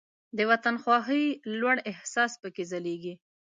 د وطن خواهۍ لوړ احساس پکې ځلیږي.